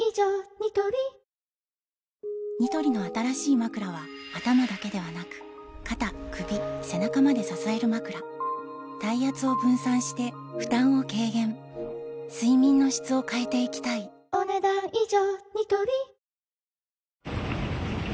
ニトリニトリの新しいまくらは頭だけではなく肩・首・背中まで支えるまくら体圧を分散して負担を軽減睡眠の質を変えていきたいお、ねだん以上。